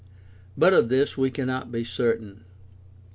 But of this we cannot be certain.